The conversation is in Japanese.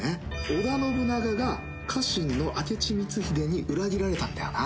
織田信長が家臣の明智光秀に裏切られたんだよな。